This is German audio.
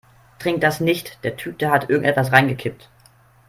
Trink das nicht, der Typ da hat irgendetwas reingekippt.